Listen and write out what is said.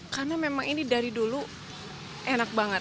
karena memang ini dari dulu enak banget